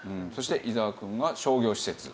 そして伊沢くんが商業施設。